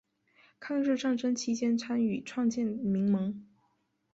抗日战争期间参与创建民盟。